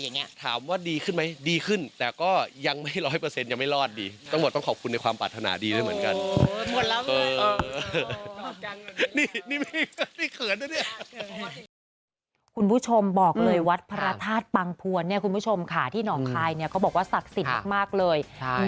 นี่เขินแล้วเนี่ย